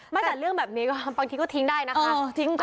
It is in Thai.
ไม่แต่เรื่องแบบนี้ก็บางทีก็ทิ้งได้นะคะอ๋อทิ้งได้